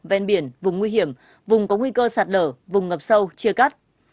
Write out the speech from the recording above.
ven biển vùng nguy hiểm vùng có nguy cơ sạt lở vùng ngập sâu chia cắt